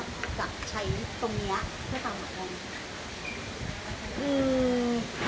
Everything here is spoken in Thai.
เราจะใช้ตรงนี้เพื่อต่างหลังราวมั้ย